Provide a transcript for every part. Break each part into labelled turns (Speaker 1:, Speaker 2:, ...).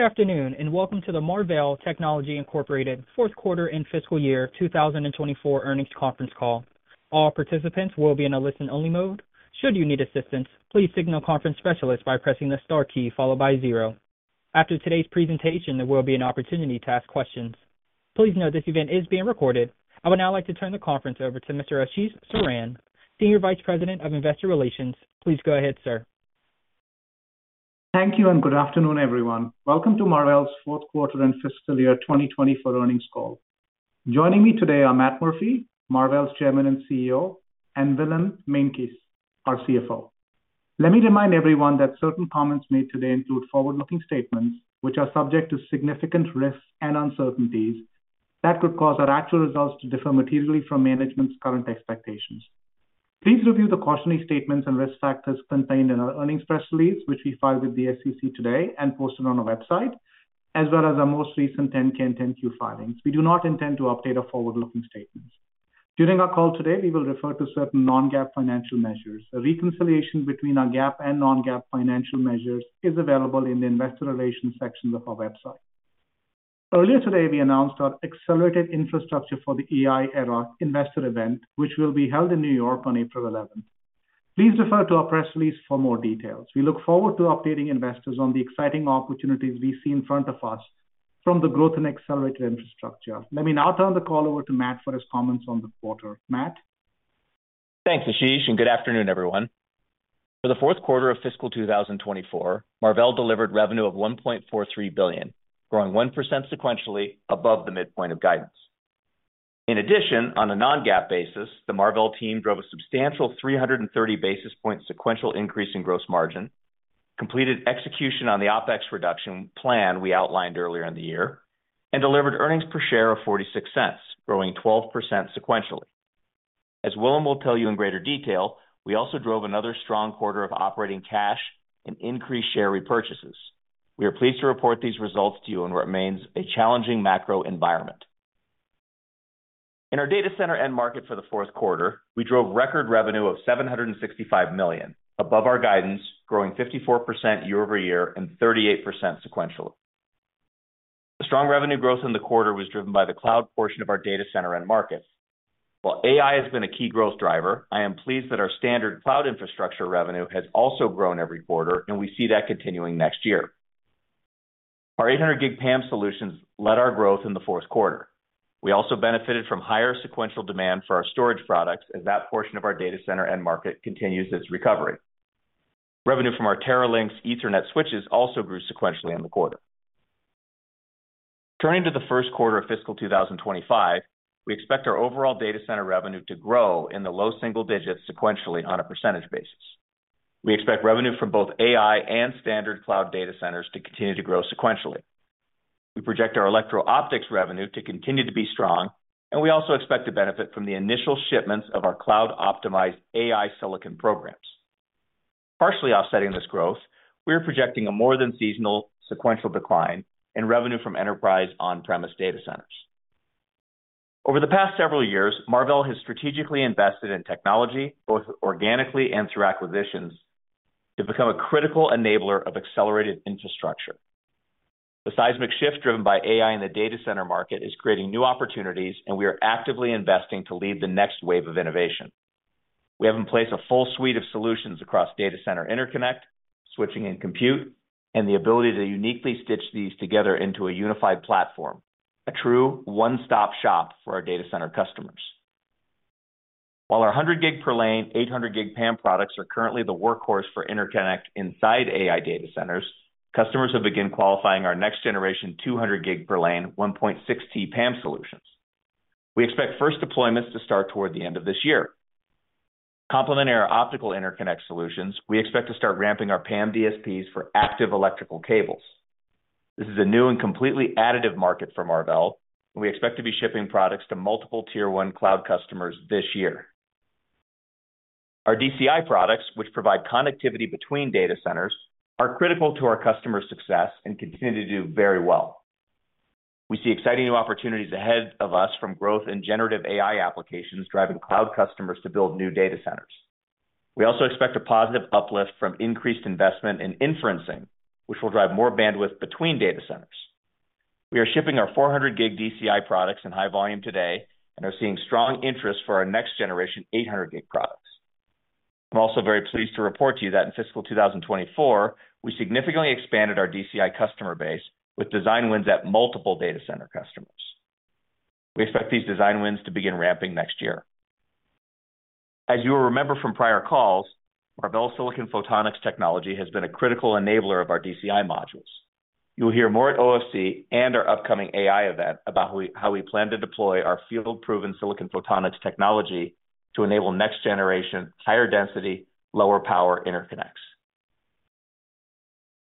Speaker 1: Good afternoon and welcome to the Marvell Technology Incorporated fourth quarter and fiscal year 2024 earnings conference call. All participants will be in a listen-only mode. Should you need assistance, please signal conference specialist by pressing the star key followed by 0. After today's presentation, there will be an opportunity to ask questions. Please note this event is being recorded. I would now like to turn the conference over to Mr. Ashish Saran, Senior Vice President of Investor Relations. Please go ahead, sir.
Speaker 2: Thank you and good afternoon, everyone. Welcome to Marvell's fourth quarter and fiscal year 2024 earnings call. Joining me today are Matt Murphy, Marvell's Chairman and CEO, and Willem Meintjes, our CFO. Let me remind everyone that certain comments made today include forward-looking statements which are subject to significant risks and uncertainties that could cause our actual results to differ materially from management's current expectations. Please review the cautionary statements and risk factors contained in our earnings press release, which we filed with the SEC today and posted on our website, as well as our most recent 10-K and 10-Q filings. We do not intend to update our forward-looking statements. During our call today, we will refer to certain non-GAAP financial measures. A reconciliation between our GAAP and non-GAAP financial measures is available in the Investor Relations sections of our website. Earlier today, we announced our Accelerated Infrastructure for the AI Era Investor event, which will be held in New York on April 11. Please refer to our press release for more details. We look forward to updating investors on the exciting opportunities we see in front of us from the growth in accelerated infrastructure. Let me now turn the call over to Matt for his comments on the quarter. Matt.
Speaker 3: Thanks, Ashish, and good afternoon, everyone. For the fourth quarter of fiscal 2024, Marvell delivered revenue of $1.43 billion, growing 1% sequentially above the midpoint of guidance. In addition, on a non-GAAP basis, the Marvell team drove a substantial 330 basis points sequential increase in gross margin, completed execution on the OPEX reduction plan we outlined earlier in the year, and delivered earnings per share of $0.46, growing 12% sequentially. As Willem will tell you in greater detail, we also drove another strong quarter of operating cash and increased share repurchases. We are pleased to report these results to you in what remains a challenging macro environment. In our data center end market for the fourth quarter, we drove record revenue of $765 million, above our guidance, growing 54% year-over-year and 38% sequentially. The strong revenue growth in the quarter was driven by the cloud portion of our data center end market. While AI has been a key growth driver, I am pleased that our standard cloud infrastructure revenue has also grown every quarter, and we see that continuing next year. Our 800 Gb PAM solutions led our growth in the fourth quarter. We also benefited from higher sequential demand for our storage products as that portion of our data center end market continues its recovery. Revenue from our Teralynx Ethernet switches also grew sequentially in the quarter. Turning to the first quarter of fiscal 2025, we expect our overall data center revenue to grow in the low single digits sequentially on a percentage basis. We expect revenue from both AI and standard cloud data centers to continue to grow sequentially. We project our electro-optics revenue to continue to be strong, and we also expect to benefit from the initial shipments of our cloud-optimized AI silicon programs. Partially offsetting this growth, we are projecting a more than seasonal sequential decline in revenue from enterprise on-premise data centers. Over the past several years, Marvell has strategically invested in technology, both organically and through acquisitions, to become a critical enabler of accelerated infrastructure. The seismic shift driven by AI in the data center market is creating new opportunities, and we are actively investing to lead the next wave of innovation. We have in place a full suite of solutions across data center interconnect, switching and compute, and the ability to uniquely stitch these together into a unified platform, a true one-stop shop for our data center customers. While our 100 Gb per lane, 800 Gb PAM products are currently the workhorse for interconnect inside AI data centers, customers have begun qualifying our next-generation 200 Gb per lane, 1.6Tb PAM solutions. We expect first deployments to start toward the end of this year. Complementary optical interconnect solutions, we expect to start ramping our PAM DSPs for active electrical cables. This is a new and completely additive market for Marvell, and we expect to be shipping products to multiple tier-one cloud customers this year. Our DCI products, which provide connectivity between data centers, are critical to our customer success and continue to do very well. We see exciting new opportunities ahead of us from growth in generative AI applications driving cloud customers to build new data centers. We also expect a positive uplift from increased investment in inferencing, which will drive more bandwidth between data centers. We are shipping our 400 Gb DCI products in high volume today and are seeing strong interest for our next-generation 800 Gb products. I'm also very pleased to report to you that in fiscal 2024, we significantly expanded our DCI customer base with design wins at multiple data center customers. We expect these design wins to begin ramping next year. As you will remember from prior calls, Marvell Silicon Photonics Technology has been a critical enabler of our DCI modules. You will hear more at OFC and our upcoming AI event about how we plan to deploy our field-proven silicon photonics technology to enable next-generation, higher density, lower power interconnects.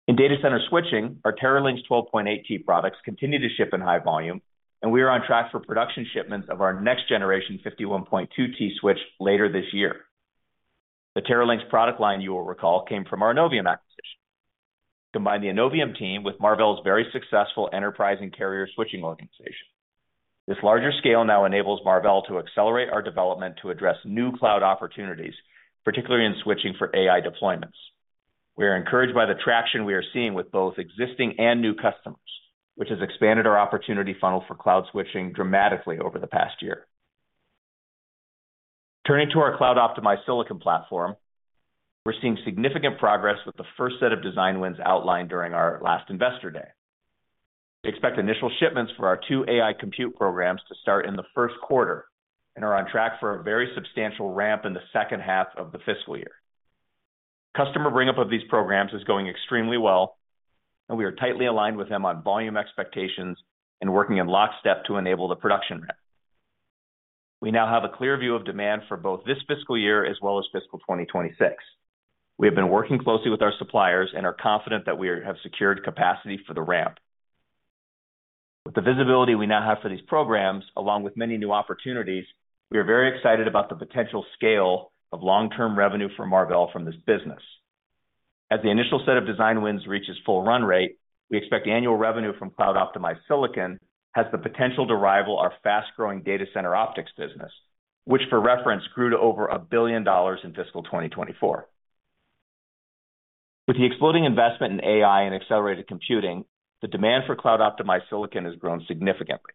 Speaker 3: In data center switching, our Teralynx 12.8T products continue to ship in high volume, and we are on track for production shipments of our next-generation 51.2T switch later this year. The Teralynx product line, you will recall, came from our Innovium acquisition. Combine the Innovium team with Marvell's very successful enterprise and carrier switching organization. This larger scale now enables Marvell to accelerate our development to address new cloud opportunities, particularly in switching for AI deployments. We are encouraged by the traction we are seeing with both existing and new customers, which has expanded our opportunity funnel for cloud switching dramatically over the past year. Turning to our cloud-optimized silicon platform, we're seeing significant progress with the first set of design wins outlined during our last investor day. We expect initial shipments for our two AI compute programs to start in the first quarter and are on track for a very substantial ramp in the second half of the fiscal year. Customer bring-up of these programs is going extremely well, and we are tightly aligned with them on volume expectations and working in lockstep to enable the production ramp. We now have a clear view of demand for both this fiscal year as well as fiscal 2026. We have been working closely with our suppliers and are confident that we have secured capacity for the ramp. With the visibility we now have for these programs, along with many new opportunities, we are very excited about the potential scale of long-term revenue for Marvell from this business. As the initial set of design wins reaches full run rate, we expect annual revenue from cloud-optimized silicon has the potential to rival our fast-growing data center optics business, which, for reference, grew to over $1 billion in fiscal 2024. With the exploding investment in AI and accelerated computing, the demand for cloud-optimized silicon has grown significantly.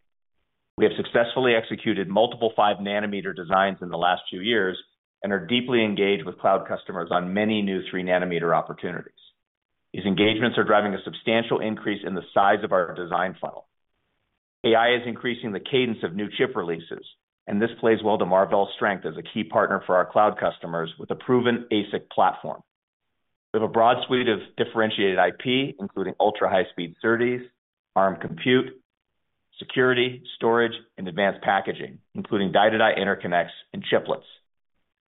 Speaker 3: We have successfully executed multiple 5-nanometer designs in the last few years and are deeply engaged with cloud customers on many new 3-nanometer opportunities. These engagements are driving a substantial increase in the size of our design funnel. AI is increasing the cadence of new chip releases, and this plays well to Marvell's strength as a key partner for our cloud customers with a proven ASIC platform. We have a broad suite of differentiated IP, including ultra-high-speed SerDes, ARM compute, security, storage, and advanced packaging, including die-to-die interconnects and chiplets.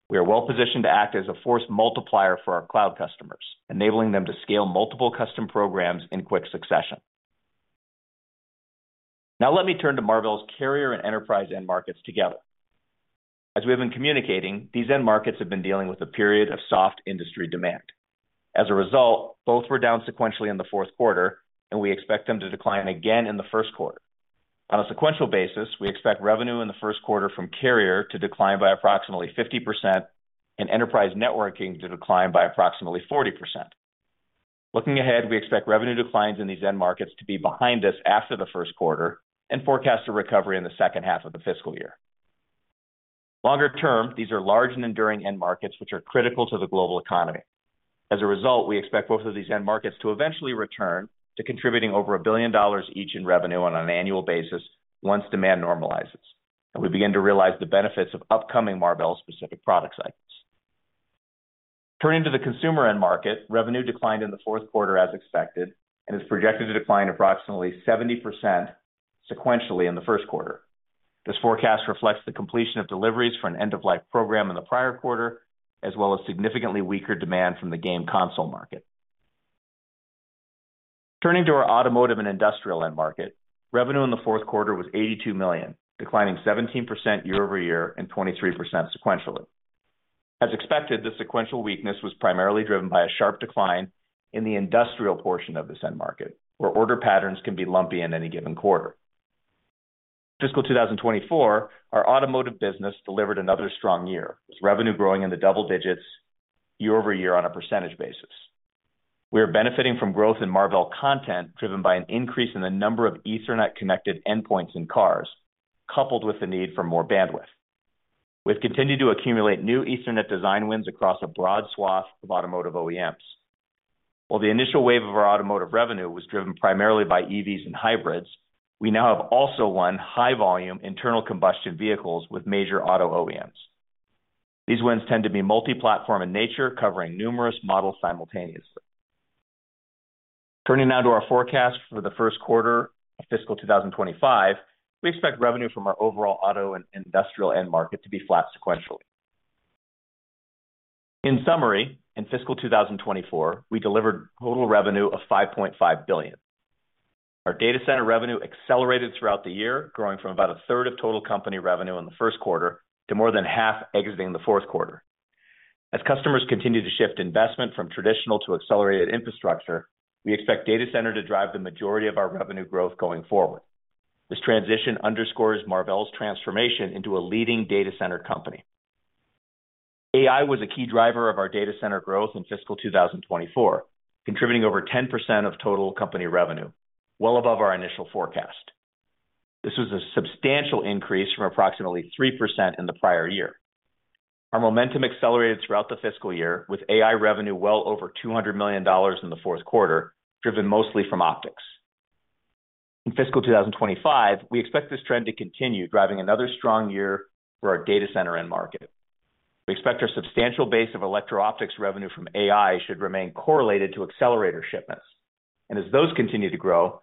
Speaker 3: We are well positioned to act as a force multiplier for our cloud customers, enabling them to scale multiple custom programs in quick succession. Now let me turn to Marvell's carrier and enterprise end markets together. As we have been communicating, these end markets have been dealing with a period of soft industry demand. As a result, both were down sequentially in the fourth quarter, and we expect them to decline again in the first quarter. On a sequential basis, we expect revenue in the first quarter from carrier to decline by approximately 50% and enterprise networking to decline by approximately 40%. Looking ahead, we expect revenue declines in these end markets to be behind us after the first quarter and forecast a recovery in the second half of the fiscal year. Longer term, these are large and enduring end markets which are critical to the global economy. As a result, we expect both of these end markets to eventually return to contributing over $1 billion each in revenue on an annual basis once demand normalizes, and we begin to realize the benefits of upcoming Marvell-specific product cycles. Turning to the consumer end market, revenue declined in the fourth quarter as expected and is projected to decline approximately 70% sequentially in the first quarter. This forecast reflects the completion of deliveries for an end-of-life program in the prior quarter, as well as significantly weaker demand from the game console market. Turning to our automotive and industrial end market, revenue in the fourth quarter was $82 million, declining 17% year-over-year and 23% sequentially. As expected, this sequential weakness was primarily driven by a sharp decline in the industrial portion of this end market, where order patterns can be lumpy in any given quarter. Fiscal 2024, our automotive business delivered another strong year, with revenue growing in the double digits year-over-year on a percentage basis. We are benefiting from growth in Marvell content driven by an increase in the number of Ethernet-connected endpoints in cars, coupled with the need for more bandwidth. We have continued to accumulate new Ethernet design wins across a broad swath of automotive OEMs. While the initial wave of our automotive revenue was driven primarily by EVs and hybrids, we now have also won high-volume internal combustion vehicles with major auto OEMs. These wins tend to be multi-platform in nature, covering numerous models simultaneously. Turning now to our forecast for the first quarter of fiscal 2025, we expect revenue from our overall auto and industrial end market to be flat sequentially. In summary, in fiscal 2024, we delivered total revenue of $5.5 billion. Our data center revenue accelerated throughout the year, growing from about a third of total company revenue in the first quarter to more than half exiting the fourth quarter. As customers continue to shift investment from traditional to accelerated infrastructure, we expect data center to drive the majority of our revenue growth going forward. This transition underscores Marvell's transformation into a leading data center company. AI was a key driver of our data center growth in fiscal 2024, contributing over 10% of total company revenue, well above our initial forecast. This was a substantial increase from approximately 3% in the prior year. Our momentum accelerated throughout the fiscal year, with AI revenue well over $200 million in the fourth quarter, driven mostly from optics. In fiscal 2025, we expect this trend to continue, driving another strong year for our data center end market. We expect our substantial base of electro-optics revenue from AI should remain correlated to accelerator shipments, and as those continue to grow,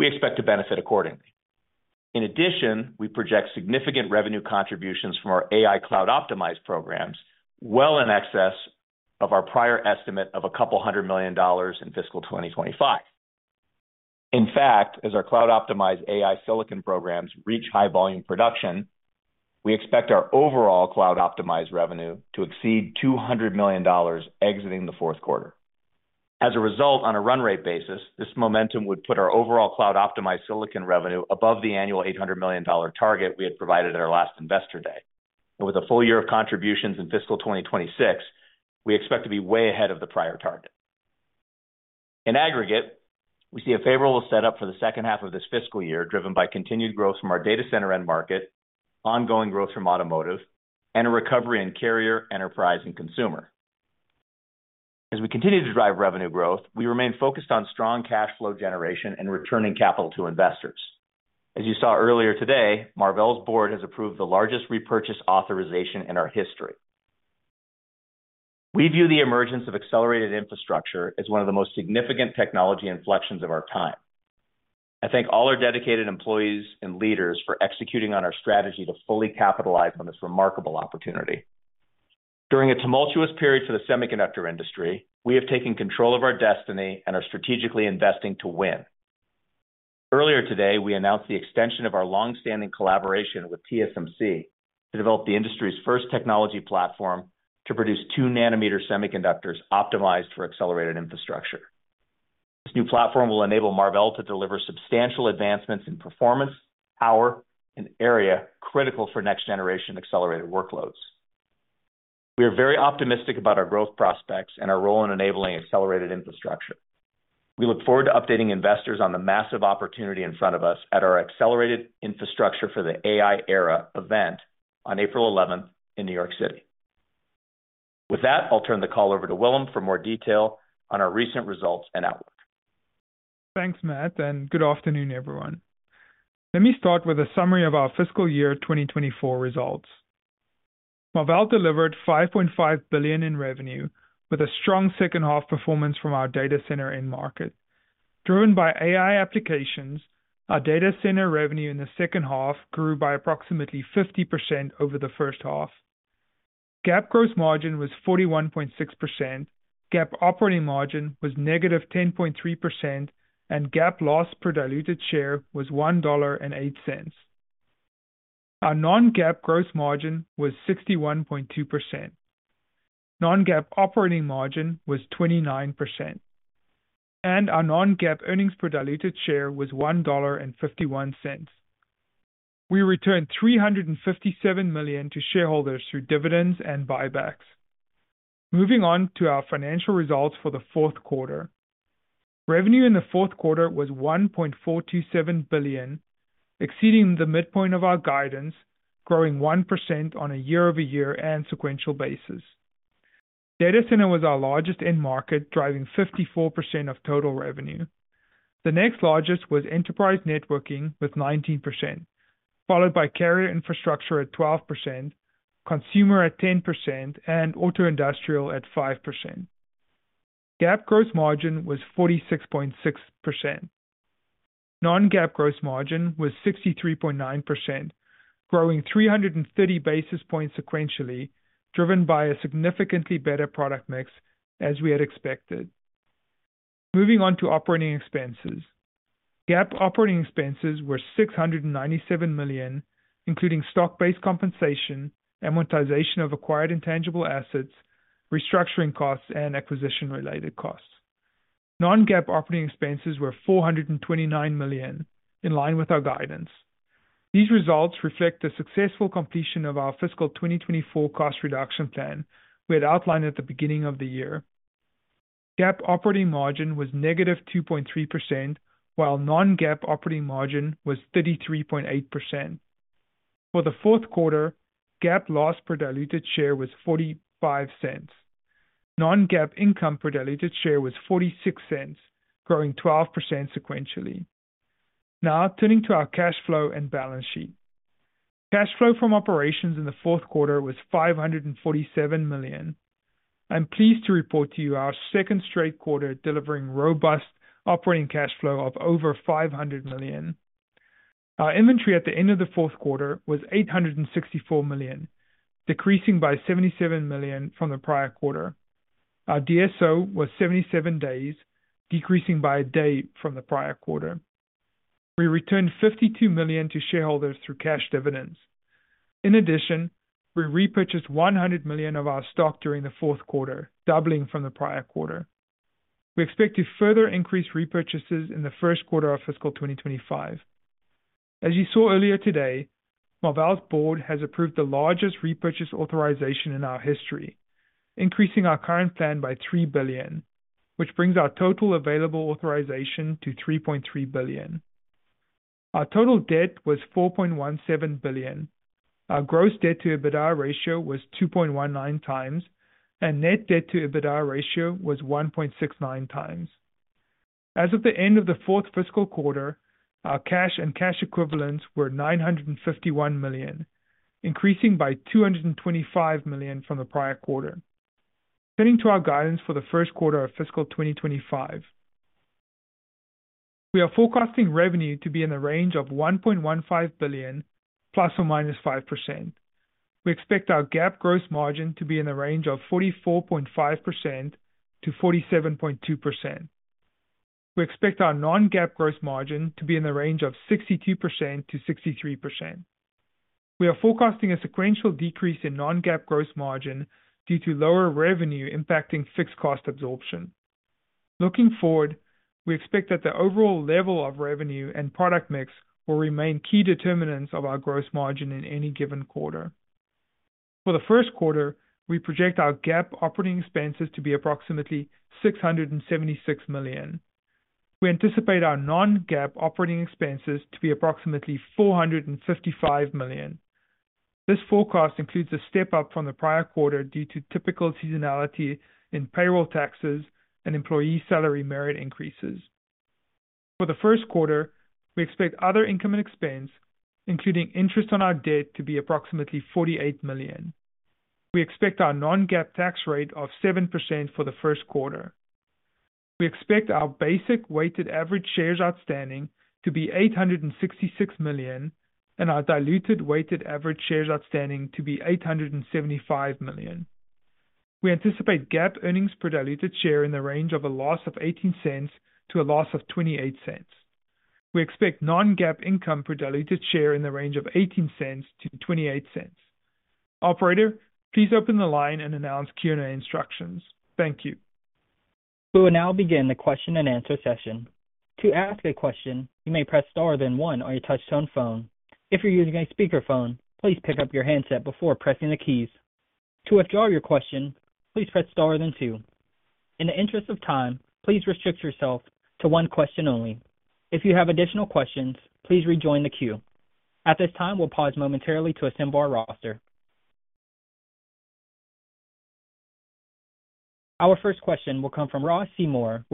Speaker 3: we expect to benefit accordingly. In addition, we project significant revenue contributions from our AI cloud-optimized programs well in excess of our prior estimate of a couple hundred million dollars in fiscal 2025. In fact, as our cloud-optimized AI silicon programs reach high-volume production, we expect our overall cloud-optimized revenue to exceed $200 million exiting the fourth quarter. As a result, on a run-rate basis, this momentum would put our overall cloud-optimized silicon revenue above the annual $800 million target we had provided at our last investor day. With a full year of contributions in fiscal 2026, we expect to be way ahead of the prior target. In aggregate, we see a favorable setup for the second half of this fiscal year, driven by continued growth from our data center end market, ongoing growth from automotive, and a recovery in carrier, enterprise, and consumer. As we continue to drive revenue growth, we remain focused on strong cash flow generation and returning capital to investors. As you saw earlier today, Marvell's board has approved the largest repurchase authorization in our history. We view the emergence of accelerated infrastructure as one of the most significant technology inflections of our time. I thank all our dedicated employees and leaders for executing on our strategy to fully capitalize on this remarkable opportunity. During a tumultuous period for the semiconductor industry, we have taken control of our destiny and are strategically investing to win. Earlier today, we announced the extension of our longstanding collaboration with TSMC to develop the industry's first technology platform to produce 2-nanometer semiconductors optimized for accelerated infrastructure. This new platform will enable Marvell to deliver substantial advancements in performance, power, and area critical for next-generation accelerated workloads. We are very optimistic about our growth prospects and our role in enabling accelerated infrastructure. We look forward to updating investors on the massive opportunity in front of us at our Accelerated Infrastructure for the AI Era event on April 11 in New York City. With that, I'll turn the call over to Willem for more detail on our recent results and outlook.
Speaker 4: Thanks, Matt, and good afternoon, everyone. Let me start with a summary of our fiscal year 2024 results. Marvell delivered $5.5 billion in revenue with a strong second-half performance from our data center end market. Driven by AI applications, our data center revenue in the second half grew by approximately 50% over the first half. GAAP gross margin was 41.6%, GAAP operating margin was -10.3%, and GAAP loss per diluted share was $1.08. Our non-GAAP gross margin was 61.2%, non-GAAP operating margin was 29%, and our non-GAAP earnings per diluted share was $1.51. We returned $357 million to shareholders through dividends and buybacks. Moving on to our financial results for the fourth quarter. Revenue in the fourth quarter was $1.427 billion, exceeding the midpoint of our guidance, growing 1% on a year-over-year and sequential basis. Data center was our largest end market, driving 54% of total revenue. The next largest was enterprise networking with 19%, followed by carrier infrastructure at 12%, consumer at 10%, and auto industrial at 5%. GAAP gross margin was 46.6%. Non-GAAP gross margin was 63.9%, growing 330 basis points sequentially, driven by a significantly better product mix as we had expected. Moving on to operating expenses. GAAP operating expenses were $697 million, including stock-based compensation, amortization of acquired intangible assets, restructuring costs, and acquisition-related costs. Non-GAAP operating expenses were $429 million, in line with our guidance. These results reflect the successful completion of our fiscal 2024 cost reduction plan we had outlined at the beginning of the year. GAAP operating margin was -2.3%, while non-GAAP operating margin was 33.8%. For the fourth quarter, GAAP loss per diluted share was $0.45. Non-GAAP income per diluted share was $0.46, growing 12% sequentially. Now, turning to our cash flow and balance sheet. Cash flow from operations in the fourth quarter was $547 million. I'm pleased to report to you our second straight quarter delivering robust operating cash flow of over $500 million. Our inventory at the end of the fourth quarter was $864 million, decreasing by $77 million from the prior quarter. Our DSO was 77 days, decreasing by a day from the prior quarter. We returned $52 million to shareholders through cash dividends. In addition, we repurchased $100 million of our stock during the fourth quarter, doubling from the prior quarter. We expect to further increase repurchases in the first quarter of fiscal 2025. As you saw earlier today, Marvell's board has approved the largest repurchase authorization in our history, increasing our current plan by $3 billion, which brings our total available authorization to $3.3 billion. Our total debt was $4.17 billion, our gross debt-to-EBITDA ratio was 2.19 times, and net debt-to-EBITDA ratio was 1.69 times. As of the end of the fourth fiscal quarter, our cash and cash equivalents were $951 million, increasing by $225 million from the prior quarter. Turning to our guidance for the first quarter of fiscal 2025. We are forecasting revenue to be in the range of $1.15 billion ±5%. We expect our GAAP gross margin to be in the range of 44.5%-47.2%. We expect our non-GAAP gross margin to be in the range of 62%-63%. We are forecasting a sequential decrease in non-GAAP gross margin due to lower revenue impacting fixed cost absorption. Looking forward, we expect that the overall level of revenue and product mix will remain key determinants of our gross margin in any given quarter. For the first quarter, we project our GAAP operating expenses to be approximately $676 million. We anticipate our non-GAAP operating expenses to be approximately $455 million. This forecast includes a step up from the prior quarter due to typical seasonality in payroll taxes and employee salary merit increases. For the first quarter, we expect other income and expense, including interest on our debt, to be approximately $48 million. We expect our non-GAAP tax rate of 7% for the first quarter. We expect our basic weighted average shares outstanding to be 866 million, and our diluted weighted average shares outstanding to be 875 million. We anticipate GAAP earnings per diluted share in the range of a loss of $0.18-$0.28. We expect non-GAAP income per diluted share in the range of $0.18-$0.28. Operator, please open the line and announce Q&A instructions. Thank you.
Speaker 1: We will now begin the question and answer session. To ask a question, you may press star, then one on your touch-tone phone. If you're using a speakerphone, please pick up your handset before pressing the keys. To withdraw your question, please press star, then two. In the interest of time, please restrict yourself to one question only. If you have additional questions, please rejoin the queue. At this time, we'll pause momentarily to assemble our roster. Our first question will come from Ross Seymour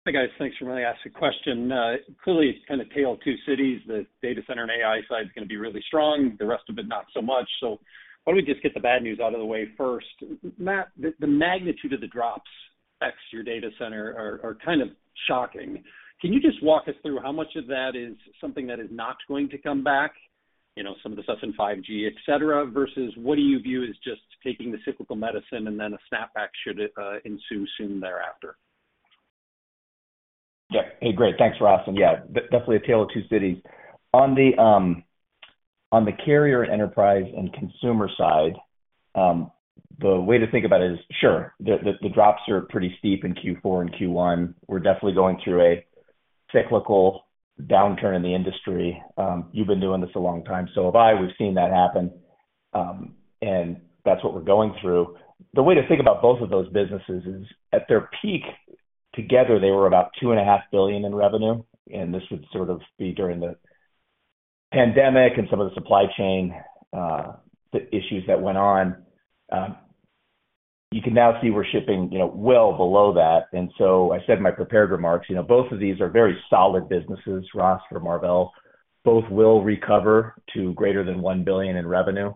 Speaker 1: with Deutsche Bank. Please go ahead.
Speaker 5: Hi, guys. Thanks for really asking the question. Clearly, it's kind of a tale of two cities. The data center and AI side is going to be really strong, the rest of it not so much. So why don't we just get the bad news out of the way first. Matt, the magnitude of the drops in your data center are kind of shocking. Can you just walk us through how much of that is something that is not going to come back, some of the SAS and 5G, etc., verSAS what do you view as just taking the cyclical medicine and then a snapback should ensue soon thereafter?
Speaker 3: Yeah. Hey, great. Thanks, Ross. And yeah, definitely a tale of two cities. On the carrier and enterprise and consumer side, the way to think about it is, sure, the drops are pretty steep in Q4 and Q1. We're definitely going through a cyclical downturn in the industry. You've been doing this a long time, so have I. We've seen that happen, and that's what we're going through. The way to think about both of those businesses is, at their peak together, they were about $2.5 billion in revenue. And this would sort of be during the pandemic and some of the supply chain issues that went on. You can now see we're shipping well below that. And so I said in my prepared remarks, both of these are very solid businesses, Ross, for Marvell. Both will recover to greater than $1 billion in revenue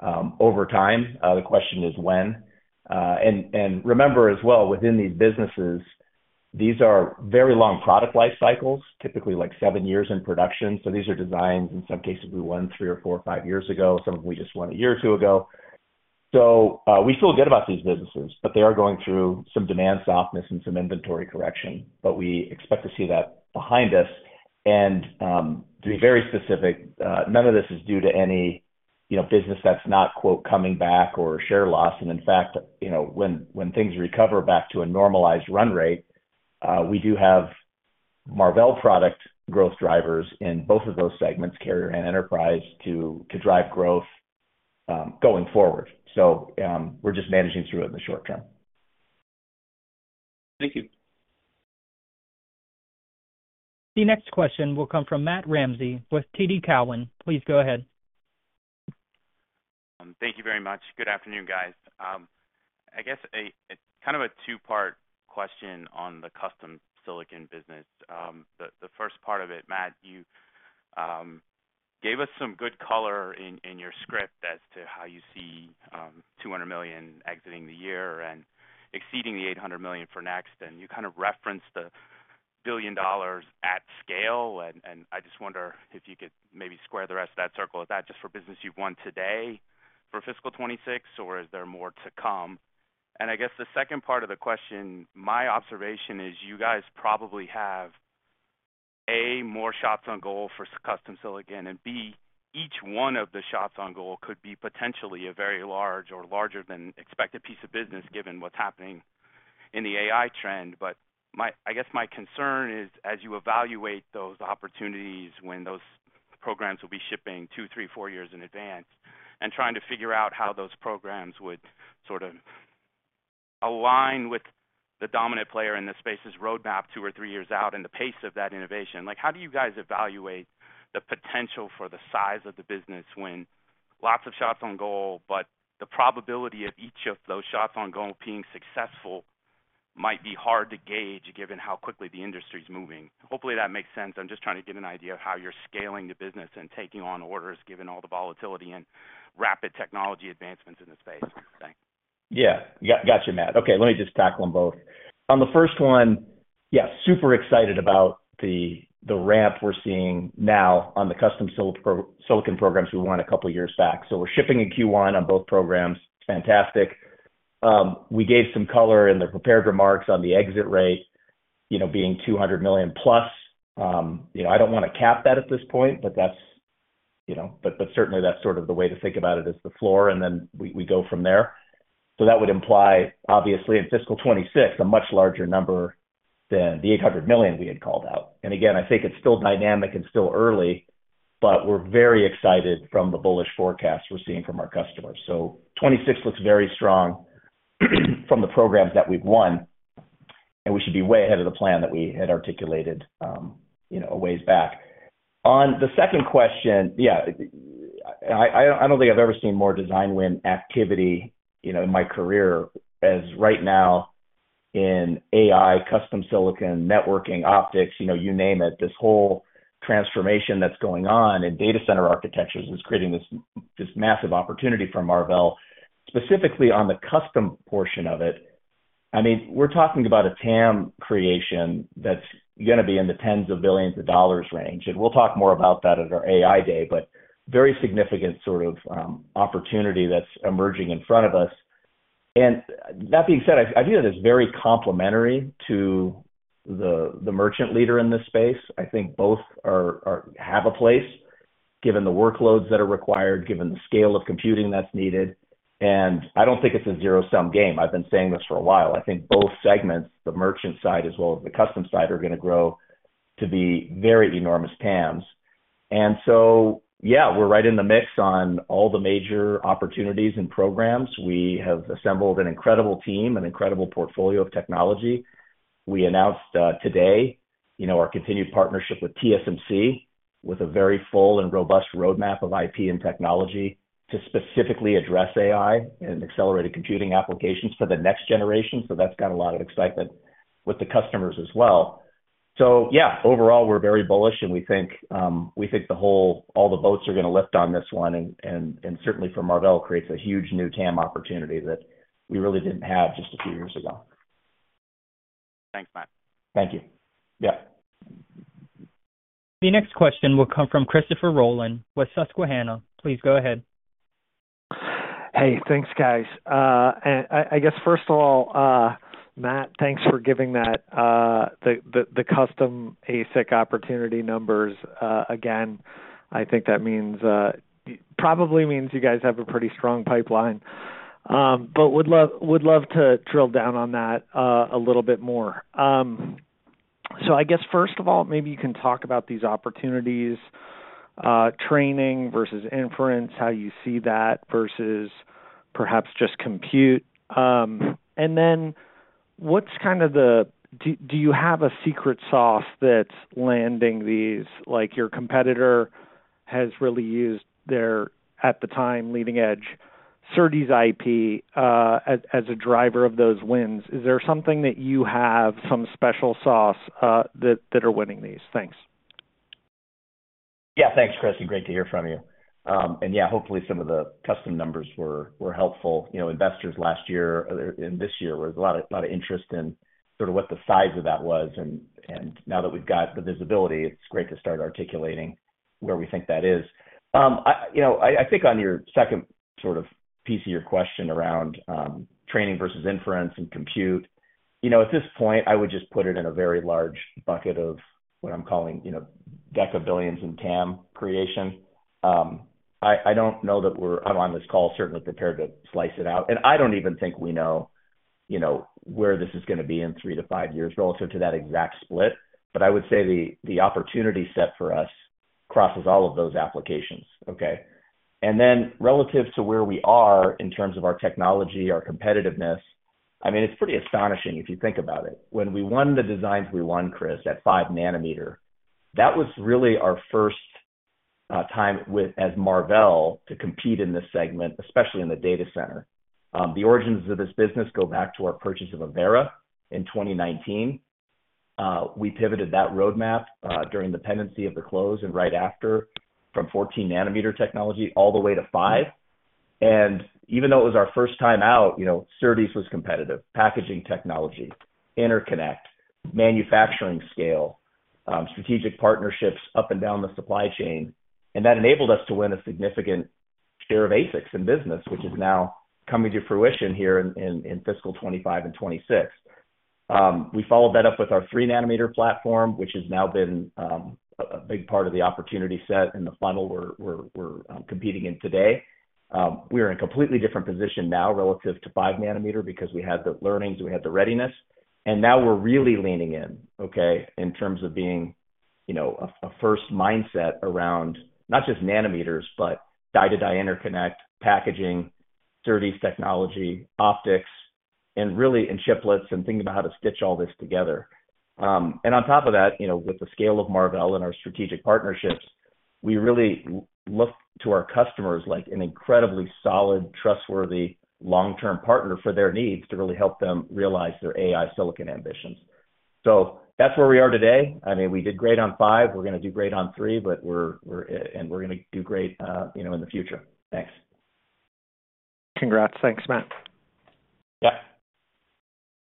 Speaker 3: over time. The question is when. Remember as well, within these businesses, these are very long product life cycles, typically like seven years in production. These are designs in some cases we won three or four or five years ago. Some of them we just won a year or two ago. We feel good about these businesses, but they are going through some demand softness and some inventory correction. We expect to see that behind us. To be very specific, none of this is due to any business that's not "coming back" or share loss. In fact, when things recover back to a normalized run rate, we do have Marvell product growth drivers in both of those segments, carrier and enterprise, to drive growth going forward. We're just managing through it in the short term.
Speaker 5: Thank you.
Speaker 1: The next question will come from Matt Ramsay with TD Cowen. Please go ahead.
Speaker 6: Thank you very much. Good afternoon, guys. I guess kind of a two-part question on the custom silicon business. The first part of it, Matt, you gave us some good color in your script as to how you see $200 million exiting the year and exceeding the $800 million for next. And you kind of referenced the $1 billion at scale. And I just wonder if you could maybe square the rest of that circle with that, just for business you've won today for fiscal 2026, or is there more to come? And I guess the second part of the question, my observation is you guys probably have, A, more shots on goal for custom silicon, and B, each one of the shots on goal could be potentially a very large or larger than expected piece of business given what's happening in the AI trend. I guess my concern is, as you evaluate those opportunities when those programs will be shipping 2, 3, 4 years in advance and trying to figure out how those programs would sort of align with the dominant player in this space's roadmap 2 or 3 years out and the pace of that innovation, how do you guys evaluate the potential for the size of the business when lots of shots on goal, but the probability of each of those shots on goal being successful might be hard to gauge given how quickly the industry is moving? Hopefully, that makes sense. I'm just trying to get an idea of how you're scaling the business and taking on orders given all the volatility and rapid technology advancements in the space. Thanks.
Speaker 3: Yeah. Got you, Matt. Okay, let me just tackle them both. On the first one, yeah, super excited about the ramp we're seeing now on the custom silicon programs we won a couple of years back. So we're shipping in Q1 on both programs. Fantastic. We gave some color in the prepared remarks on the exit rate being $200 million+. I don't want to cap that at this point, but certainly, that's sort of the way to think about it as the floor, and then we go from there. So that would imply, obviously, in fiscal 2026, a much larger number than the $800 million we had called out. And again, I think it's still dynamic and still early, but we're very excited from the bullish forecasts we're seeing from our customers. 2026 looks very strong from the programs that we've won, and we should be way ahead of the plan that we had articulated way back. On the second question, yeah, I don't think I've ever seen more design win activity in my career as right now in AI, custom silicon, networking, optics, you name it, this whole transformation that's going on in data center architectures is creating this massive opportunity for Marvell, specifically on the custom portion of it. I mean, we're talking about a TAM creation that's going to be in the tens of billions of dollars range. We'll talk more about that at our AI Day, but very significant sort of opportunity that's emerging in front of us. That being said, I view that as very complementary to the merchant leader in this space. I think both have a place given the workloads that are required, given the scale of computing that's needed. I don't think it's a zero-sum game. I've been saying this for a while. I think both segments, the merchant side as well as the custom side, are going to grow to be very enormous TAMs. And so yeah, we're right in the mix on all the major opportunities and programs. We have assembled an incredible team, an incredible portfolio of technology. We announced today our continued partnership with TSMC with a very full and robust roadmap of IP and technology to specifically address AI and accelerated computing applications for the next generation. So that's got a lot of excitement with the customers as well. So yeah, overall, we're very bullish, and we think all the boats are going to lift on this one. Certainly, for Marvell, it creates a huge new TAM opportunity that we really didn't have just a few years ago.
Speaker 6: Thanks, Matt.
Speaker 3: Thank you. Yeah.
Speaker 1: The next question will come from Christopher Rolland with Susquehanna. Please go ahead.
Speaker 7: Hey, thanks, guys. And I guess, first of all, Matt, thanks for giving the custom ASIC opportunity numbers. Again, I think that probably means you guys have a pretty strong pipeline, but would love to drill down on that a little bit more. So I guess, first of all, maybe you can talk about these opportunities, training verSAS inference, how you see that verSAS perhaps just compute. And then what's kind of the—do you have a secret sauce that's landing these? Your competitor has really used their, at the time, leading edge, SerDes IP as a driver of those wins. Is there something that you have, some special sauce that are winning these? Thanks.
Speaker 3: Yeah. Thanks, Chris. Great to hear from you. And yeah, hopefully, some of the custom numbers were helpful. Investors last year and this year were a lot of interest in sort of what the size of that was. And now that we've got the visibility, it's great to start articulating where we think that is. I think on your second sort of piece of your question around training verSAS inference and compute, at this point, I would just put it in a very large bucket of what I'm calling deca billions in TAM creation. I don't know that we're on this call, certainly prepared to slice it out. And I don't even think we know where this is going to be in three to five years relative to that exact split. But I would say the opportunity set for us crosses all of those applications, okay? And then relative to where we are in terms of our technology, our competitiveness, I mean, it's pretty astonishing if you think about it. When we won the designs we won, Chris, at 5-nanometer, that was really our first time as Marvell to compete in this segment, especially in the data center. The origins of this business go back to our purchase of Avera in 2019. We pivoted that roadmap during the pendency of the close and right after from 14-nanometer technology all the way to 5. And even though it was our first time out, SerDes was competitive. Packaging technology, interconnect, manufacturing scale, strategic partnerships up and down the supply chain. And that enabled us to win a significant share of ASICs in business, which is now coming to fruition here in fiscal 2025 and 2026. We followed that up with our 3-nanometer platform, which has now been a big part of the opportunity set in the funnel we're competing in today. We are in a completely different position now relative to 5-nanometer because we had the learnings, we had the readiness. And now we're really leaning in, okay, in terms of being a first mindset around not just nanometers, but die-to-die interconnect, packaging, SerDes technology, optics, and really in chiplets and thinking about how to stitch all this together. And on top of that, with the scale of Marvell and our strategic partnerships, we really look to our customers like an incredibly solid, trustworthy, long-term partner for their needs to really help them realize their AI silicon ambitions. So that's where we are today. I mean, we did great on 5-nanometer. We're going to do great on 3, and we're going to do great in the future. Thanks.
Speaker 7: Congrats. Thanks, Matt.
Speaker 3: Yep.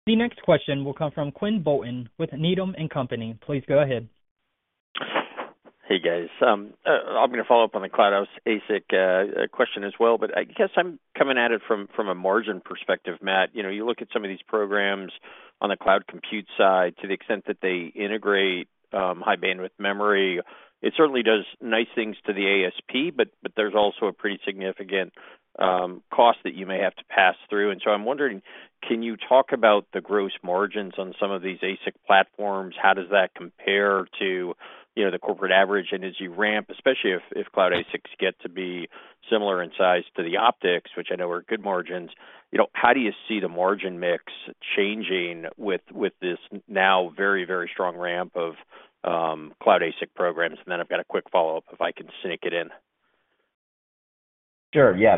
Speaker 1: The next question will come from Quinn Bolton with Needham and Company. Please go ahead.
Speaker 8: Hey, guys. I'm going to follow up on the CloudOps ASIC question as well. But I guess I'm coming at it from a margin perspective, Matt. You look at some of these programs on the cloud compute side to the extent that they integrate high bandwidth memory, it certainly does nice things to the ASP, but there's also a pretty significant cost that you may have to pass through. And so I'm wondering, can you talk about the gross margins on some of these ASIC platforms? How does that compare to the corporate average? And as you ramp, especially if Cloud ASICs get to be similar in size to the optics, which I know are good margins, how do you see the margin mix changing with this now very, very strong ramp of Cloud ASIC programs? And then I've got a quick follow-up if I can sneak it in.
Speaker 3: Sure. Yeah.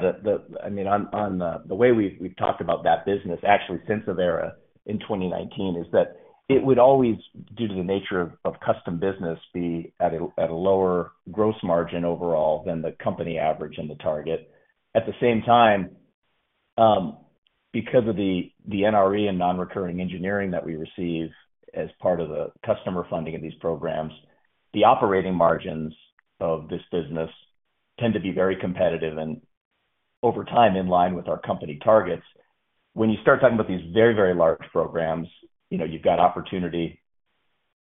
Speaker 3: I mean, the way we've talked about that business, actually, since Avera in 2019, is that it would always, due to the nature of custom business, be at a lower gross margin overall than the company average and the target. At the same time, because of the NRE and non-recurring engineering that we receive as part of the customer funding of these programs, the operating margins of this business tend to be very competitive and over time in line with our company targets. When you start talking about these very, very large programs, you've got opportunity,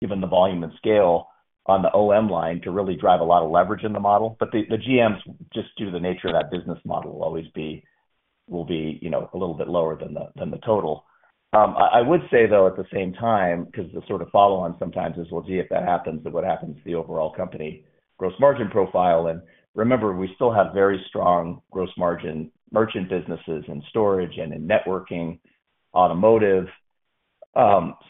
Speaker 3: given the volume and scale, on the OM line to really drive a lot of leverage in the model. But the GMs, just due to the nature of that business model, will always be a little bit lower than the total. I would say, though, at the same time, because the sort of follow-on sometimes is, "We'll see if that happens," that what happens to the overall company gross margin profile. And remember, we still have very strong gross margin merchant businesses in storage and in networking, automotive.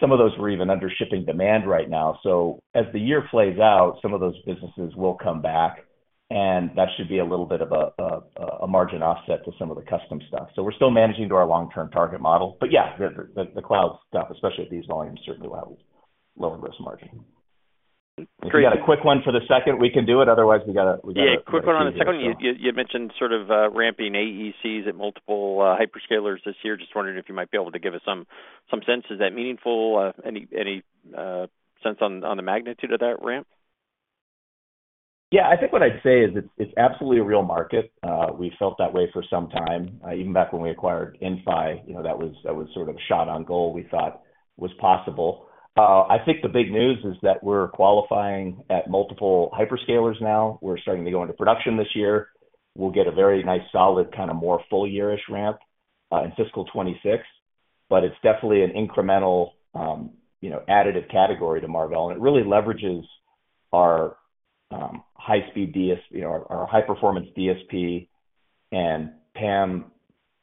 Speaker 3: Some of those were even under shipping demand right now. So as the year plays out, some of those businesses will come back, and that should be a little bit of a margin offset to some of the custom stuff. So we're still managing to our long-term target model. But yeah, the cloud stuff, especially at these volumes, certainly will have lower gross margin.
Speaker 8: Great.
Speaker 3: If we got a quick one for the second, we can do it. Otherwise, we got to.
Speaker 8: Yeah, quick one on the second one. You had mentioned sort of ramping AECs at multiple hyperscalers this year. Just wondering if you might be able to give us some sense. Is that meaningful? Any sense on the magnitude of that ramp?
Speaker 3: Yeah. I think what I'd say is it's absolutely a real market. We felt that way for some time. Even back when we acquired Inphi, that was sort of shot on goal, we thought was possible. I think the big news is that we're qualifying at multiple hyperscalers now. We're starting to go into production this year. We'll get a very nice, solid kind of more full-year-ish ramp in fiscal 2026. But it's definitely an incremental additive category to Marvell, and it really leverages our high-speed DSP, our high-performance DSP, and PAM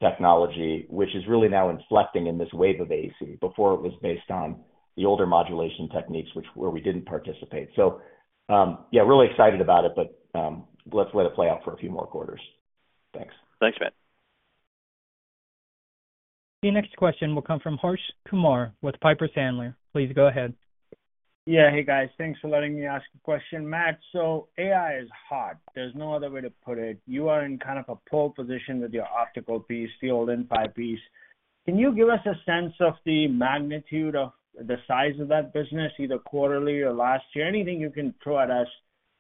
Speaker 3: technology, which is really now inflecting in this wave of AEC. Before, it was based on the older modulation techniques, where we didn't participate. So yeah, really excited about it, but let's let it play out for a few more quarters. Thanks.
Speaker 8: Thanks, Matt.
Speaker 1: The next question will come from Harsh Kumar with Piper Sandler. Please go ahead.
Speaker 9: Yeah. Hey, guys. Thanks for letting me ask a question. Matt, so AI is hot. There's no other way to put it. You are in kind of a pole position with your optical piece, the old Inphi piece. Can you give us a sense of the magnitude of the size of that business, either quarterly or last year? Anything you can throw at us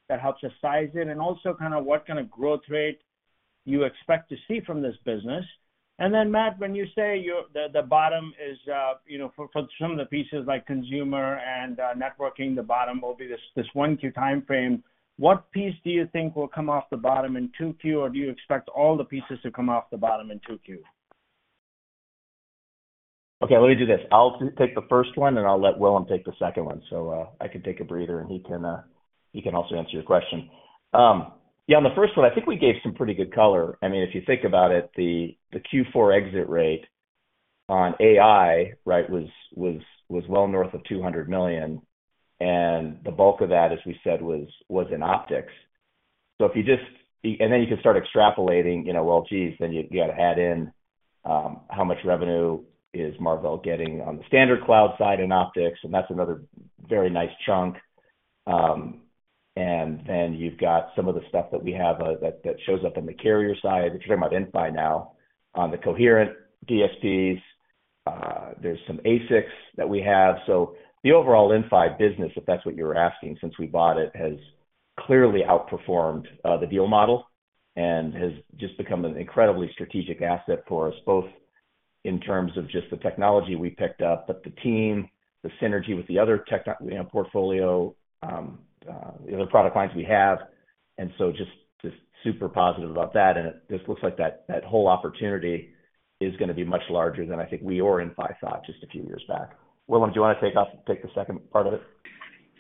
Speaker 9: that helps us size it. And also kind of what kind of growth rate you expect to see from this business. And then, Matt, when you say the bottom is for some of the pieces like consumer and networking, the bottom will be this 1Q timeframe, what piece do you think will come off the bottom in 2Q, or do you expect all the pieces to come off the bottom in 2Q?
Speaker 3: Okay. Let me do this. I'll take the first one, and I'll let Willem take the second one. So I can take a breather, and he can also answer your question. Yeah, on the first one, I think we gave some pretty good color. I mean, if you think about it, the Q4 exit rate on AI, right, was well north of $200 million. And the bulk of that, as we said, was in optics. So if you just and then you could start extrapolating, "Well, geez," then you got to add in how much revenue is Marvell getting on the standard cloud side in optics. And that's another very nice chunk. And then you've got some of the stuff that we have that shows up on the carrier side, if you're talking about Inphi now, on the coherent DSPs. There's some ASICs that we have. So the overall Inphi business, if that's what you were asking, since we bought it, has clearly outperformed the deal model and has just become an incredibly strategic asset for us, both in terms of just the technology we picked up, but the team, the synergy with the other portfolio, the other product lines we have. And so just super positive about that. And it just looks like that whole opportunity is going to be much larger than I think we or Inphi thought just a few years back. Willem, do you want to take off and take the second part of it?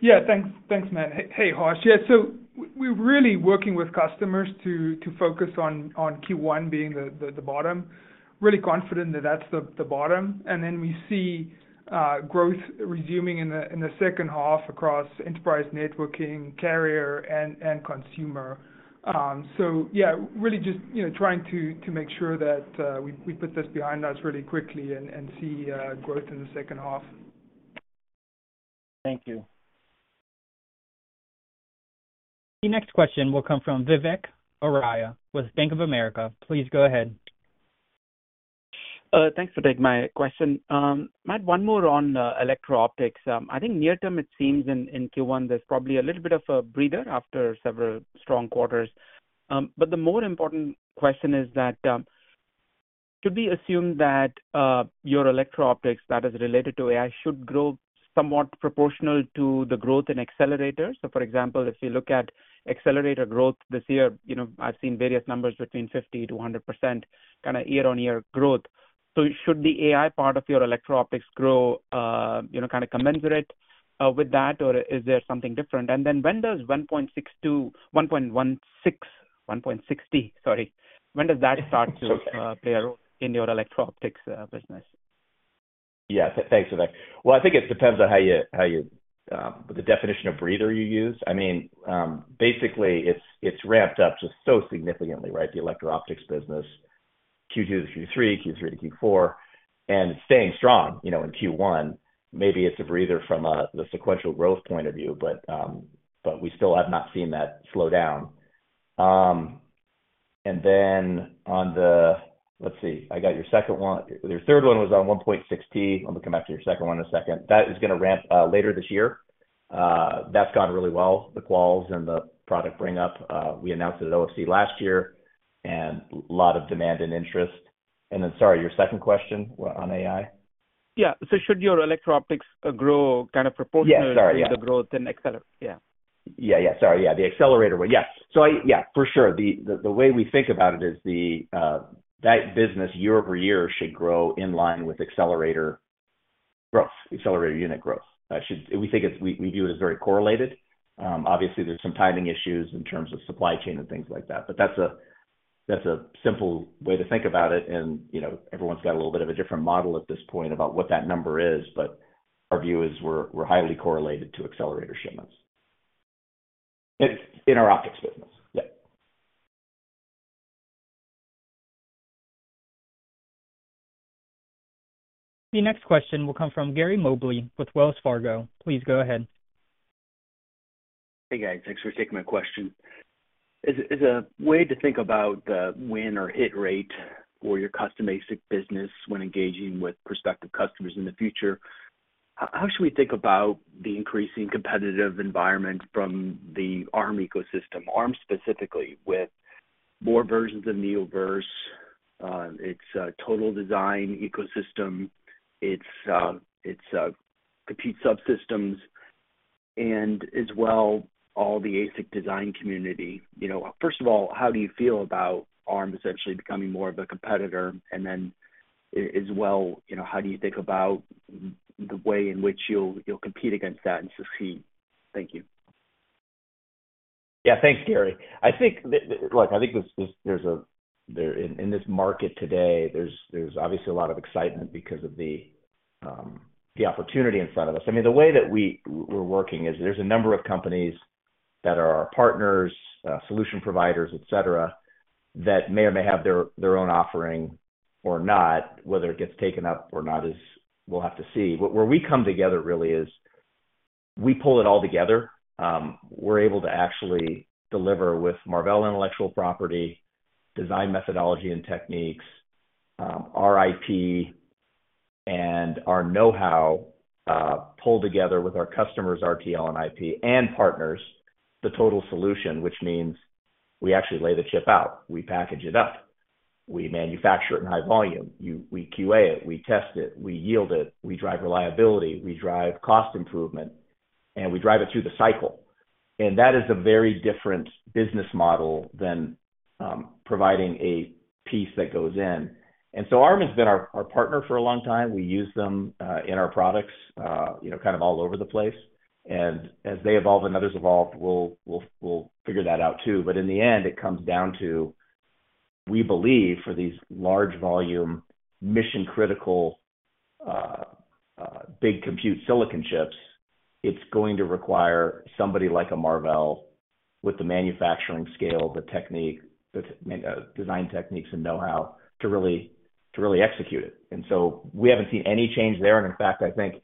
Speaker 4: Yeah. Thanks, Matt. Hey, Harsh. Yeah. So we're really working with customers to focus on Q1 being the bottom, really confident that that's the bottom. And then we see growth resuming in the second half across enterprise networking, carrier, and consumer. So yeah, really just trying to make sure that we put this behind us really quickly and see growth in the second half.
Speaker 9: Thank you.
Speaker 1: The next question will come from Vivek Arya with Bank of America. Please go ahead.
Speaker 10: Thanks for taking my question. Matt, one more on electro-optics. I think near term, it seems in Q1, there's probably a little bit of a breather after several strong quarters. But the more important question is that should we assume that your electro-optics, that is, related to AI, should grow somewhat proportional to the growth in accelerators? So for example, if you look at accelerator growth this year, I've seen various numbers between 50%-100% kind of year-on-year growth. So should the AI part of your electro-optics grow kind of commensurate with that, or is there something different? And then when does 1.6, sorry, when does that start to play a role in your electro-optics business?
Speaker 3: Yeah. Thanks, Vivek. Well, I think it depends on how you the definition of breather you use. I mean, basically, it's ramped up just so significantly, right, the electro-optics business, Q2 to Q3, Q3 to Q4, and it's staying strong in Q1. Maybe it's a breather from the sequential growth point of view, but we still have not seen that slow down. And then on the, let's see. I got your second one. Your third one was on 1.6T. I'm going to come back to your second one in a second. That is going to ramp later this year. That's gone really well, the quals and the product bring-up. We announced at OFC last year and a lot of demand and interest. And then, sorry, your second question on AI?
Speaker 10: Yeah. Should your electro-optics grow kind of proportional to the growth in accelerator? Yeah.
Speaker 3: Yeah. Yeah. Sorry. Yeah. The accelerator one. Yeah. So yeah, for sure. The way we think about it is that business year-over-year should grow in line with accelerator growth, accelerator unit growth. We view it as very correlated. Obviously, there's some timing issues in terms of supply chain and things like that. But that's a simple way to think about it. And everyone's got a little bit of a different model at this point about what that number is. But our view is we're highly correlated to accelerator shipments in our optics business. Yeah.
Speaker 1: The next question will come from Gary Mobley with Wells Fargo. Please go ahead.
Speaker 11: Hey, guys. Thanks for taking my question. As a way to think about the win or hit rate for your custom ASIC business when engaging with prospective customers in the future, how should we think about the increasing competitive environment from the ARM ecosystem, ARM specifically, with more versions of Neoverse? It's a total design ecosystem. It's compute subsystems, and as well, all the ASIC design community. First of all, how do you feel about ARM essentially becoming more of a competitor? And then as well, how do you think about the way in which you'll compete against that and succeed? Thank you.
Speaker 3: Yeah. Thanks, Gary. I think, look, I think there's a lot in this market today. There's obviously a lot of excitement because of the opportunity in front of us. I mean, the way that we're working is there's a number of companies that are our partners, solution providers, etc., that may or may not have their own offering or not. Whether it gets taken up or not, we'll have to see. Where we come together really is we pull it all together. We're able to actually deliver with Marvell intellectual property, design methodology and techniques, our IP, and our know-how pulled together with our customers, RTL and IP, and partners, the total solution, which means we actually lay the chip out. We package it up. We manufacture it in high volume. We QA it. We test it. We yield it. We drive reliability. We drive cost improvement. We drive it through the cycle. That is a very different business model than providing a piece that goes in. ARM has been our partner for a long time. We use them in our products kind of all over the place. As they evolve and others evolve, we'll figure that out too. But in the end, it comes down to, we believe, for these large volume, mission-critical, big compute silicon chips, it's going to require somebody like a Marvell with the manufacturing scale, the design techniques, and know-how to really execute it. We haven't seen any change there. In fact, I think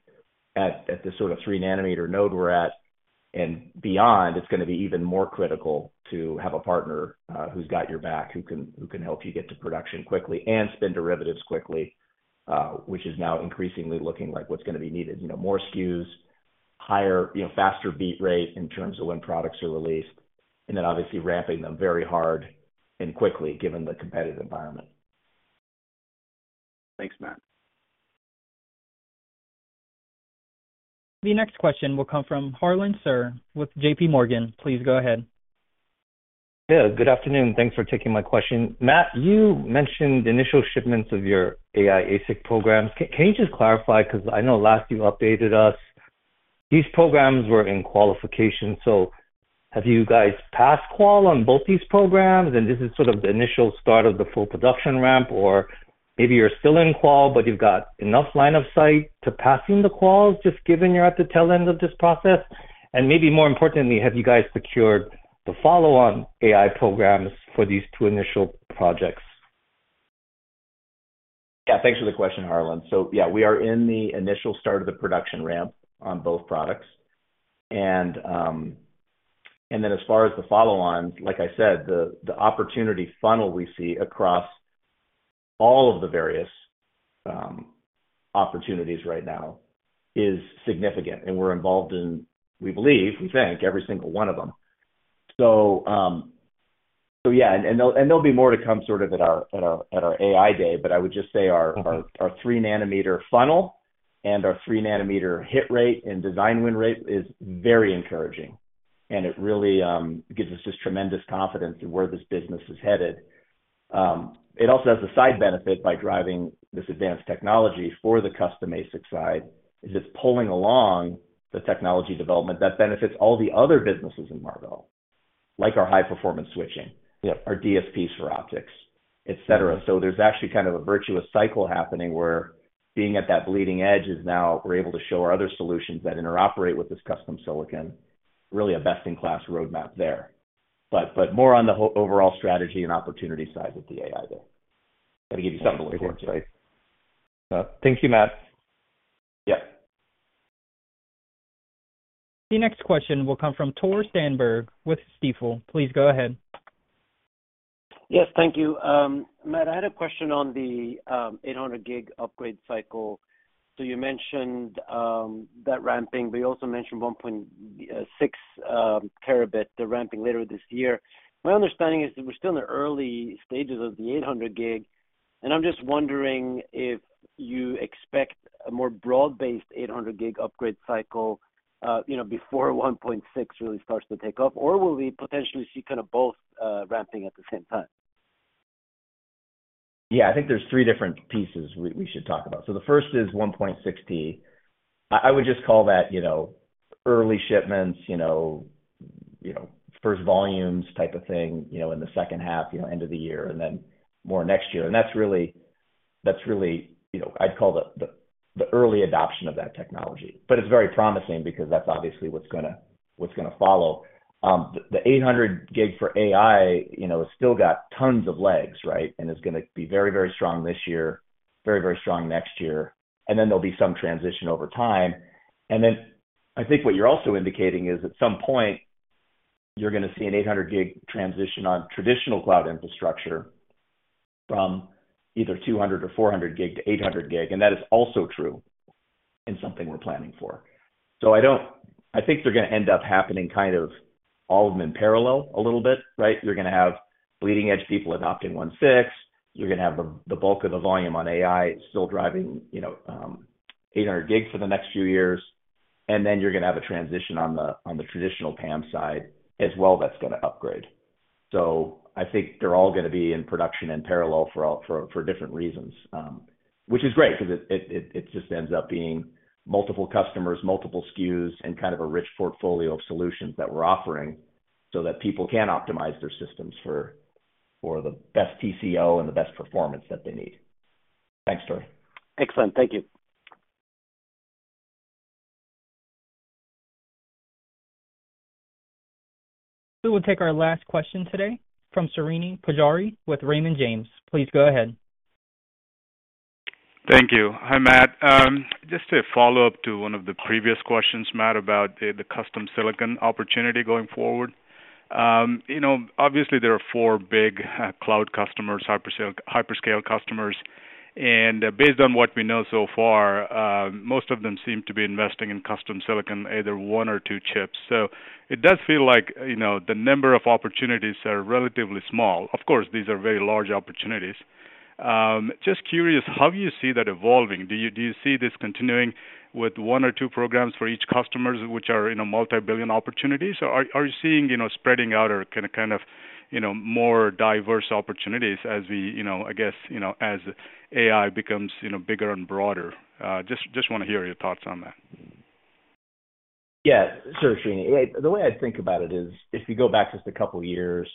Speaker 3: at the sort of 3-nanometer node we're at and beyond, it's going to be even more critical to have a partner who's got your back, who can help you get to production quickly and spin derivatives quickly, which is now increasingly looking like what's going to be needed: more SKUs, faster beat rate in terms of when products are released, and then obviously ramping them very hard and quickly, given the competitive environment.
Speaker 11: Thanks, Matt.
Speaker 1: The next question will come from Harlan Sur with JP Morgan. Please go ahead.
Speaker 12: Yeah. Good afternoon. Thanks for taking my question. Matt, you mentioned initial shipments of your AI ASIC programs. Can you just clarify? Because I know last you updated us, these programs were in qualification. So have you guys passed qual on both these programs? And this is sort of the initial start of the full production ramp, or maybe you're still in qual, but you've got enough line of sight to passing the quals, just given you're at the tail end of this process? And maybe more importantly, have you guys secured the follow-on AI programs for these two initial projects?
Speaker 3: Yeah. Thanks for the question, Harlan. So yeah, we are in the initial start of the production ramp on both products. And then as far as the follow-ons, like I said, the opportunity funnel we see across all of the various opportunities right now is significant. And we're involved in, we believe, we think, every single one of them. So yeah. And there'll be more to come sort of at our AI Day. But I would just say our 3-nanometer funnel and our 3-nanometer hit rate and design win rate is very encouraging. And it really gives us just tremendous confidence in where this business is headed. It also has the side benefit by driving this advanced technology for the custom ASIC side is it's pulling along the technology development that benefits all the other businesses in Marvell, like our high-performance switching, our DSPs for optics, etc. So there's actually kind of a virtuous cycle happening where being at that bleeding edge is now we're able to show our other solutions that interoperate with this custom silicon, really a best-in-class roadmap there. But more on the overall strategy and opportunity side of the AI Day. Got to give you something to look forward to.
Speaker 12: Thank you, Matt.
Speaker 3: Yep.
Speaker 1: The next question will come from Tore Svanberg with Stifel. Please go ahead.
Speaker 13: Yes. Thank you. Matt, I had a question on the 800 Gb upgrade cycle. So you mentioned that ramping, but you also mentioned 1.6 terabit, the ramping later this year. My understanding is that we're still in the early stages of the 800 Gb. And I'm just wondering if you expect a more broad-based 800 Gb upgrade cycle before 1.6 really starts to take off, or will we potentially see kind of both ramping at the same time?
Speaker 3: Yeah. I think there's 3 different pieces we should talk about. So the first is 1.6T. I would just call that early shipments, first volumes type of thing in the second half, end of the year, and then more next year. And that's really I'd call it the early adoption of that technology. But it's very promising because that's obviously what's going to follow. The 800 Gb for AI has still got tons of legs, right, and is going to be very, very strong this year, very, very strong next year. And then there'll be some transition over time. And then I think what you're also indicating is at some point, you're going to see an 800 Gb transition on traditional cloud infrastructure from either 200 or 400 gig to 800 gig. And that is also true in something we're planning for. So I think they're going to end up happening kind of all of them in parallel a little bit, right? You're going to have bleeding-edge people adopting 1.6. You're going to have the bulk of the volume on AI still driving 800 gig for the next few years. And then you're going to have a transition on the traditional PAM side as well that's going to upgrade. So I think they're all going to be in production in parallel for different reasons, which is great because it just ends up being multiple customers, multiple SKUs, and kind of a rich portfolio of solutions that we're offering so that people can optimize their systems for the best TCO and the best performance that they need. Thanks, Tore.
Speaker 13: Excellent. Thank you.
Speaker 1: We will take our last question today from Srini Pajjuri with Raymond James. Please go ahead.
Speaker 14: Thank you. Hi, Matt. Just a follow-up to one of the previous questions, Matt, about the custom silicon opportunity going forward. Obviously, there are four big cloud customers, hyperscale customers. Based on what we know so far, most of them seem to be investing in custom silicon, either one or two chips. It does feel like the number of opportunities are relatively small. Of course, these are very large opportunities. Just curious, how do you see that evolving? Do you see this continuing with one or two programs for each customer, which are multi-billion opportunities? Or are you seeing spreading out or kind of more diverse opportunities as we, I guess, as AI becomes bigger and broader? Just want to hear your thoughts on that.
Speaker 3: Yeah. Sure, Srini. The way I think about it is if you go back just a couple of years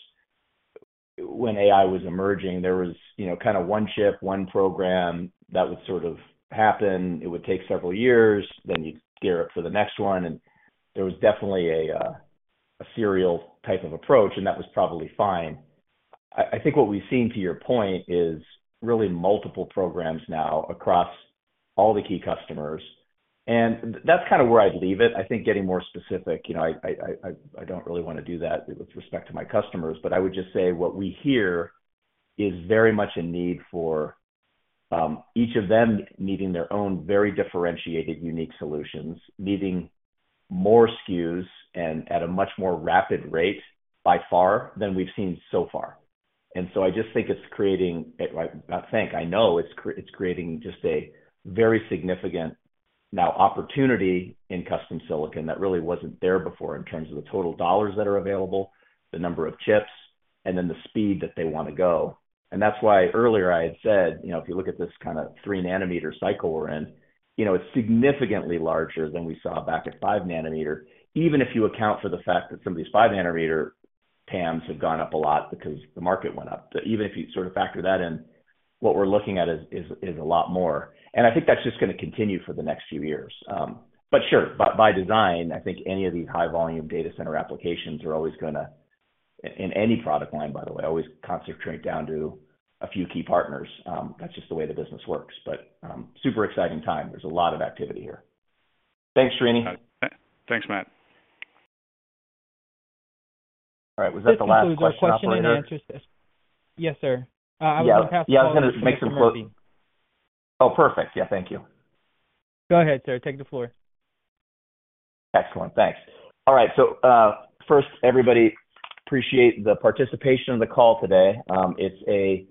Speaker 3: when AI was emerging, there was kind of one chip, one program that would sort of happen. It would take several years. Then you'd gear up for the next one. There was definitely a serial type of approach, and that was probably fine. I think what we've seen to your point is really multiple programs now across all the key customers. That's kind of where I'd leave it. I think getting more specific, I don't really want to do that with respect to my customers. I would just say what we hear is very much a need for each of them needing their own very differentiated, unique solutions, needing more SKUs and at a much more rapid rate by far than we've seen so far. And so I just think it's creating, not that. I know it's creating just a very significant new opportunity in custom silicon that really wasn't there before in terms of the total dollars that are available, the number of chips, and then the speed that they want to go. And that's why earlier I had said, if you look at this kind of 3-nanometer cycle we're in, it's significantly larger than we saw back at 5-nanometer, even if you account for the fact that some of these 5-nanometer PAMs have gone up a lot because the market went up. Even if you sort of factor that in, what we're looking at is a lot more. And I think that's just going to continue for the next few years. But sure, by design, I think any of these high-volume data center applications are always going to, in any product line, by the way, always concentrate down to a few key partners. That's just the way the business works. But super exciting time. There's a lot of activity here. Thanks, Srini.
Speaker 14: Thanks, Matt.
Speaker 3: All right. Was that the last question?
Speaker 1: Thank you for the question and answers. Yes, sir. I was going to pass the call to Mr. Murphy.
Speaker 3: Yeah. I was going to make some quotes. Oh, perfect. Yeah. Thank you.
Speaker 1: Go ahead, sir. Take the floor.
Speaker 3: Excellent. Thanks. All right. So first, everybody, appreciate the participation in the call today. It's a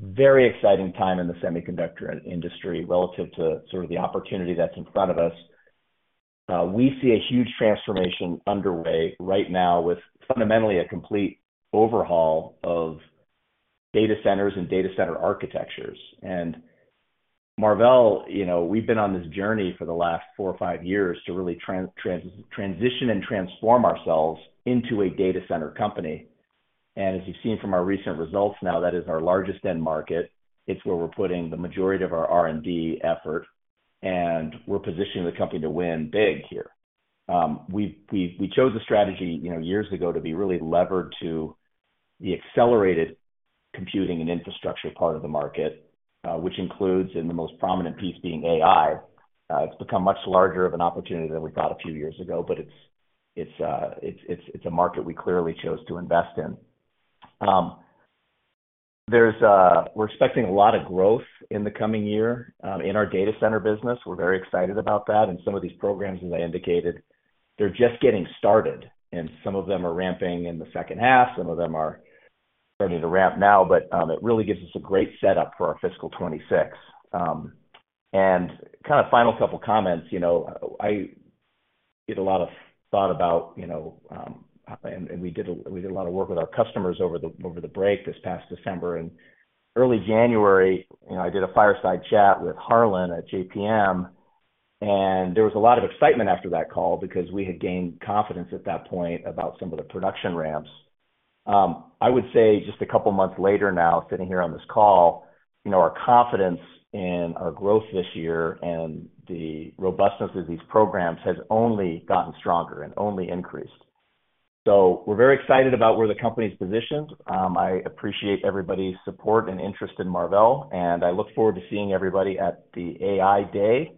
Speaker 3: very exciting time in the semiconductor industry relative to sort of the opportunity that's in front of us. We see a huge transformation underway right now with fundamentally a complete overhaul of data centers and data center architectures. And Marvell, we've been on this journey for the last four or five years to really transition and transform ourselves into a data center company. And as you've seen from our recent results now, that is our largest end market. It's where we're putting the majority of our R&D effort. And we're positioning the company to win big here. We chose a strategy years ago to be really levered to the accelerated computing and infrastructure part of the market, which includes, and the most prominent piece being AI. It's become much larger of an opportunity than we thought a few years ago, but it's a market we clearly chose to invest in. We're expecting a lot of growth in the coming year in our data center business. We're very excited about that. And some of these programs, as I indicated, they're just getting started. And some of them are ramping in the second half. Some of them are starting to ramp now. But it really gives us a great setup for our fiscal 2026. And kind of final couple of comments. I did a lot of thought about and we did a lot of work with our customers over the break this past December. And early January, I did a fireside chat with Harlan at JPM. There was a lot of excitement after that call because we had gained confidence at that point about some of the production ramps. I would say just a couple of months later now, sitting here on this call, our confidence in our growth this year and the robustness of these programs has only gotten stronger and only increased. So we're very excited about where the company's positioned. I appreciate everybody's support and interest in Marvell. I look forward to seeing everybody at the AI Day.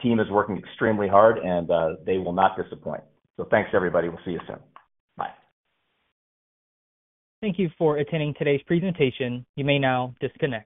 Speaker 3: Team is working extremely hard, and they will not disappoint. So thanks, everybody. We'll see you soon. Bye.
Speaker 1: Thank you for attending today's presentation. You may now disconnect.